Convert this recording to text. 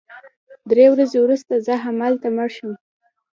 درې ورځې وروسته زه همالته مړ شوم